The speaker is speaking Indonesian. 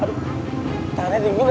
aduh tarah dingin ya